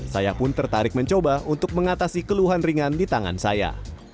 saya pun tertarik mencoba untuk mengatasi keluhan ringan di tangan saya